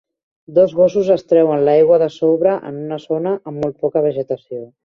Dos gossos es treuen l'aigua de sobre en una zona amb molt poca vegetació.